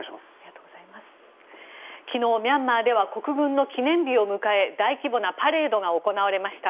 昨日、ミャンマーでは国軍の記念日を迎え大規模なパレードが行われました。